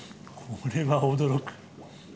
これは驚く。